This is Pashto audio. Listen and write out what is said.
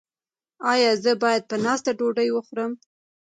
ایا زه باید په ناسته ډوډۍ وخورم؟